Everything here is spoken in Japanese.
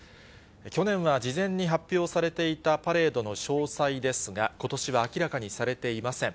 去年は事前に発表されていたパレードの詳細ですが、ことしは明らかにされていません。